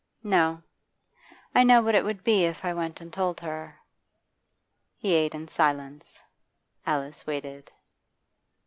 'No. I know what it would be if I went and told her.' He ate in silence. Alice waited.